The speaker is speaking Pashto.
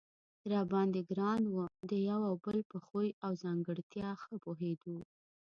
را باندې ګران و، د یو او بل په خوی او ځانګړتیا ښه پوهېدو.